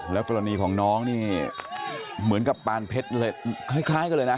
แล้วกรณีของน้องนี่เหมือนกับปานเพชรคล้ายกันเลยนะ